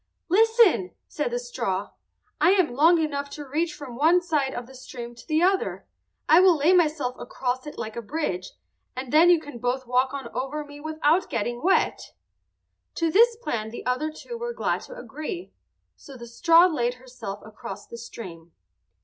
"Listen!" said the straw. "I am long enough to reach from one side of the stream to the other. I will lay myself across it like a bridge, and then you can both walk on over me without getting wet." To this plan the other two were glad to agree, so the straw laid herself across the stream.